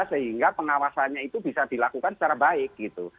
sehingga pengawasannya itu bisa dilakukan secara baik gitu